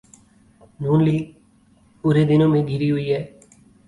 نون لیگ برے دنوں میں گھری ہوئی ہے۔